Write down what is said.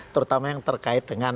terutama yang terkait dengan